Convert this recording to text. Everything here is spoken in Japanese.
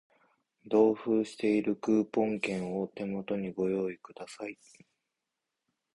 同封しているクーポン券を手元にご用意ください